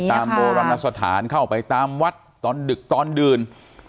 โบราณสถานเข้าไปตามวัดตอนดึกตอนดื่น